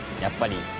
やっぱり？